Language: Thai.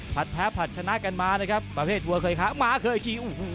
ผัดแพ้ผัดชนะกันมานะครับประเภทวัวเคยขาหมาเคยขี่